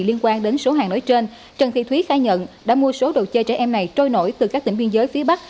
liên quan đến số hàng nói trên trần thị thúy khai nhận đã mua số đồ chơi trẻ em này trôi nổi từ các tỉnh biên giới phía bắc